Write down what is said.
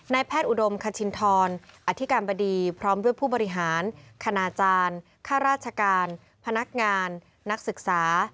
แพทย์อุดมคชินทรอธิการบดีพร้อมด้วยผู้บริหารคณาจารย์ข้าราชการพนักงานนักศึกษา